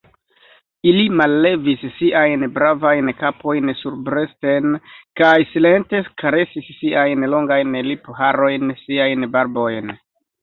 Ili mallevis siajn bravajn kapojn surbrusten kaj silente karesis siajn longajn lipharojn, siajn barbojn.